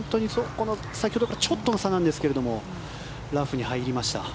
先ほどからちょっとの差なんですがラフに入りました。